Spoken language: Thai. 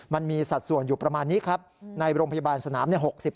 มันมีสัดส่วนอยู่ประมาณนี้ครับในโรงพยาบาลสนาม